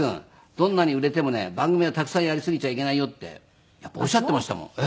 どんなに売れてもね番組はたくさんやりすぎちゃいけないよ」ってやっぱりおっしゃっていましたもん。